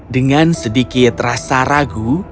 dengan sedikit rasa ragu